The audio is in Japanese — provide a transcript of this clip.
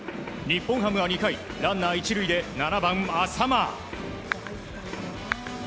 日本ハムは２回、ランナー１塁で７番、淺間。